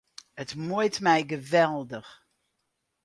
It muoit my geweldich.